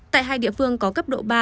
tại hai địa phương có cấp độ ba